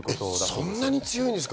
そんなに強いんですか？